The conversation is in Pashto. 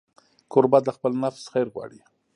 کوربه د خپل نفس خیر غواړي.